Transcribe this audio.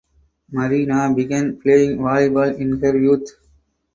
Marina began playing volleyball in her youth.